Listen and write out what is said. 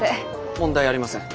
問題ありません。